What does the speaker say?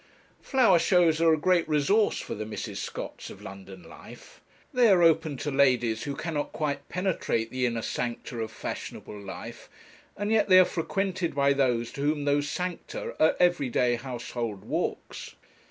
Flower shows are a great resource for the Mrs. Scotts of London life. They are open to ladies who cannot quite penetrate the inner sancta of fashionable life, and yet they are frequented by those to whom those sancta are everyday household walks.